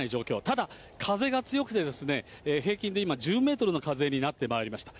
ただ、風が強くてですね、平均で今、１０メートルの風になってまいりました。